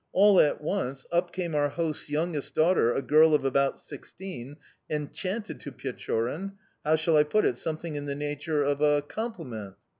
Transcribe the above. All at once up came our host's youngest daughter, a girl of about sixteen, and chanted to Pechorin how shall I put it? something in the nature of a compliment."...